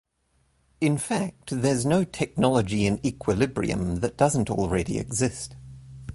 "In fact, there's no technology in "Equilibrium" that doesn't already exist.